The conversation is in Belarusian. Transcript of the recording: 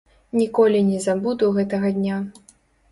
Ніколі не забуду гэтага дня.